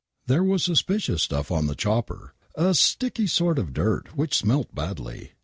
There was suspicious stuff on the chopper. A sticky sort of dirt which smelt badly.